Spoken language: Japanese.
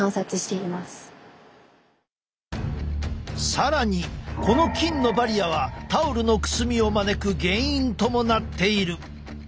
更にこの菌のバリアはタオルのくすみを招く原因ともなっている！